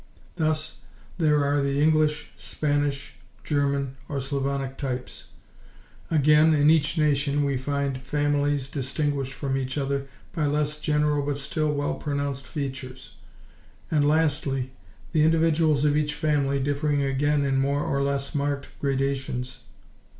Thus there are the English, Spanish, German, or Slavonic types; again, in each nation we find families distinguished from each other by less general but still well pronounced features; and lastly, the individuals of each family, differing again in more or less marked gradations.